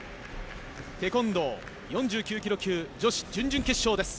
テコンドー４９ｋｇ級女子準々決勝です。